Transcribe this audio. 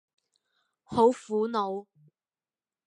好苦惱